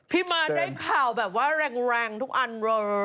พี่ม้าได้ข่าวแบบว่าแรงทุกอันเลย